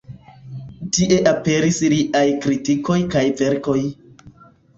Tie aperis liaj kritikoj kaj verkoj.